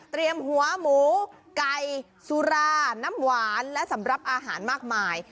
หัวหมูไก่สุราน้ำหวานและสำหรับอาหารมากมาย